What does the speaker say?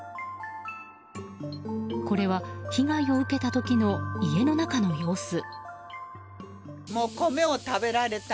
これは被害を受けた時の家の中の様子。